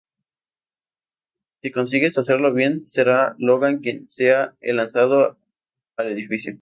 Si consigues hacerlo bien, será Logan quien sea el lanzado al edificio.